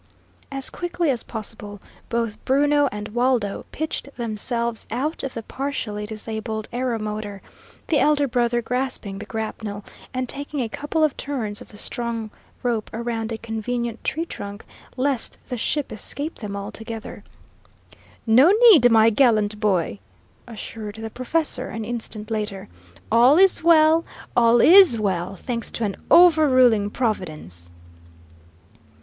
As quickly as possible, both Bruno and Waldo pitched themselves out of the partially disabled aeromotor, the elder brother grasping the grapnel and taking a couple of turns of the strong rope around a convenient tree trunk, lest the ship escape them altogether. "No need, my gallant boy!" assured the professor, an instant later. "All is well, all IS well, thanks to an over ruling Providence!"